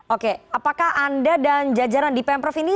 oke apakah anda dan jajaran di pemprov ini